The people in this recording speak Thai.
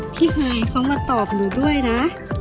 พี่ไฮเขามาตอบหนูด้วยนะ